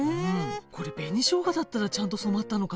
これ紅生姜だったらちゃんと染まったのかしらね。